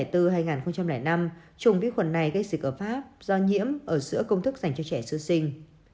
trùng vi khuẩn này gây dịch ở pháp do nhiễm ở giữa công thức dành cho trẻ sơ sinh